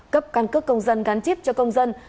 cấp quan cấp công dân gắn chíp cho công dân